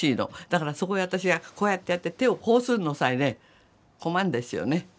だからそこへ私がこうやってやって手をこうするのさえね困るんですよね。